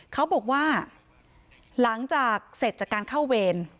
เขาบอกว่าหลังจากเกิดการเสร็จข้าวเวร